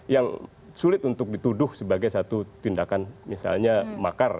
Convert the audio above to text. yang sulit untuk dituduh sebagai satu tindakan misalnya makar